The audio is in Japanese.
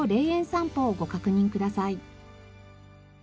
さんぽをご確認ください。